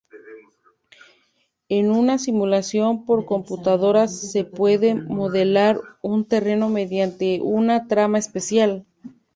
En una simulación por computadora se puede modelar un terreno mediante una trama espacial.